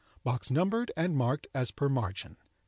Box numbered and marked as per margin.